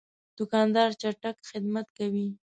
دوکاندار چټک خدمت کوي.